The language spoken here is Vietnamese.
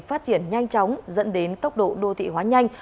phát triển nhanh chóng dẫn đến tốc độ đô thị hóa nhanh